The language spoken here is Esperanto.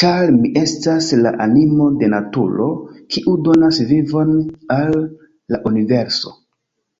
Ĉar Mi estas la animo de naturo, kiu donas vivon al la universo.